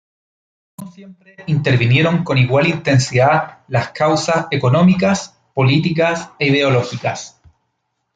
No siempre intervinieron con igual intensidad las causa económicas, políticas e ideológicas.